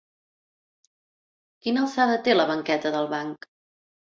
Quina alçada té la banqueta del banc?